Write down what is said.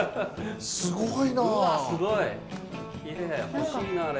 すごいな。